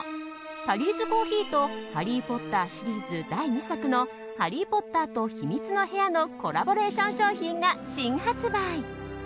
タリーズコーヒーと「ハリー・ポッター」シリーズ第２作の「ハリー・ポッターと秘密の部屋」のコラボレーション商品が新発売。